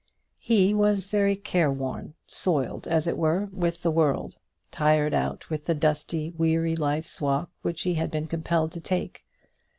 He was very careworn, soiled as it were with the world, tired out with the dusty, weary life's walk which he had been compelled to take.